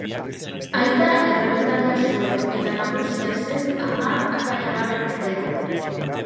Aita errementaria zuen eta nagusia zen hamar anai-alaben artean.